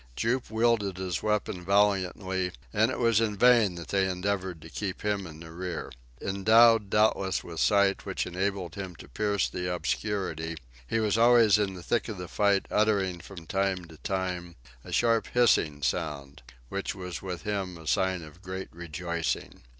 Jup wielded his weapon valiantly, and it was in vain that they endeavored to keep him in the rear. Endowed doubtless with sight which enabled him to pierce the obscurity, he was always in the thick of the fight uttering from time to time a sharp hissing sound, which was with him the sign of great rejoicing.